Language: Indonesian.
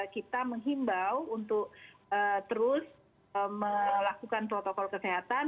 kita menghimbau untuk terus melakukan protokol kesehatan